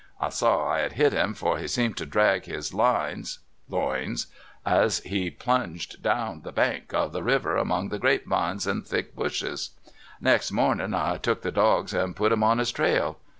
I saw I had hit lum, for he seemed to drag his lines [loins] as he plunged down the bank of the river among the grape vines and thick bushes, Next morniu' I took the dogs and put 'em on his trail.